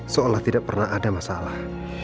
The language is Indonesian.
seolah tidak pernah ada masalah